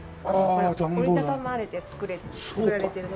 折り畳まれて作られてるので。